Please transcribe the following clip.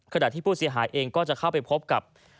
ขณะที่ผู้เสียหายเองก็จะเข้าไปพบกับ